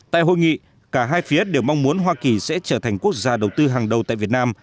tại hội nghị cả hai phía đều mong muốn hoa kỳ sẽ trở thành quốc gia đầu tư hàng đầu tại việt nam